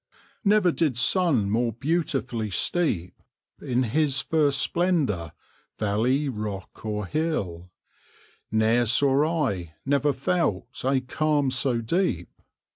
Never did sun more beautifully steep In his first splendour, valley, rock or hill; Ne'er saw I, never felt, a calm so deep!